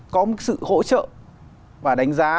có một sự hỗ trợ và đánh giá